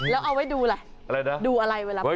แล้วเอาไว้ดูล่ะ